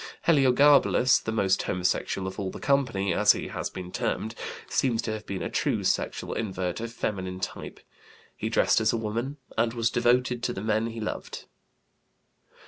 Heliogabalus, "the most homosexual of all the company," as he has been termed, seems to have been a true sexual invert, of feminine type; he dressed as a woman and was devoted to the men he loved.